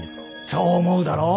そう思うだろ？